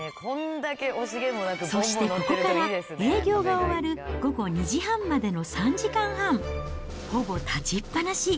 そして、ここから営業が終わる午後２時半までの３時間半、ほぼ立ちっぱなし。